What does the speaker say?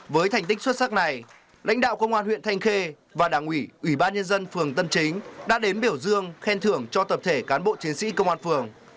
với thành tích xuất sắc này lãnh đạo công an huyện thanh khê và đảng ủy ủy ban nhân dân phường tân chính đã đến biểu dương khen thưởng cho tập thể cán bộ chiến sĩ công an phường